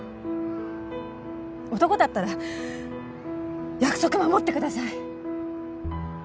男だったら約束守ってください。